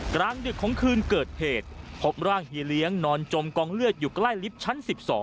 กลางดึกของคืนเกิดเหตุพบร่างเฮียเลี้ยงนอนจมกองเลือดอยู่ใกล้ลิฟท์ชั้น๑๒